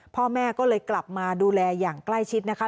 พ่อแม่ก็เลยกลับมาดูแลอย่างใกล้ชิดนะคะ